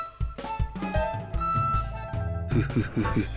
フフフフフ。